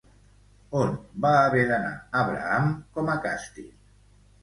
On va haver d'anar Abraham com a càstig?